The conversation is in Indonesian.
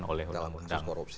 dalam kasus korupsi